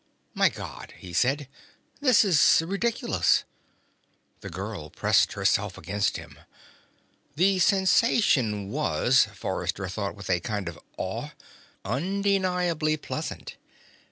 "My God," he said. "This is ridiculous." The girl pressed herself against him. The sensation was, Forrester thought with a kind of awe, undeniably pleasant.